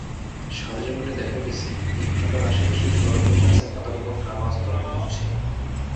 সরেজমিনে দেখা গেছে, ইটভাটার আশপাশের সড়কের গাছের পাতার ওপর কালো আস্তরণ পড়ছে।